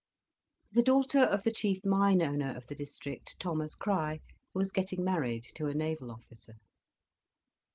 The daughter of the chief mine owner of the district, Thomas Crich, was getting married to a naval officer.